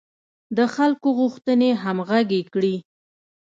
د خلکو غوښتنې همغږې کړي.